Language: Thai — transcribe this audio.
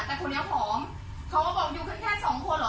แต่คนเดี๋ยวหอมเค้าว่าบอกอยู่แค่แค่ชองคนหรอ